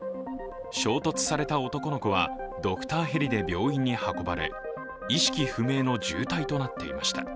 衝突された男の子はドクターへリで病院に運ばれ、意識不明の重体となっていました。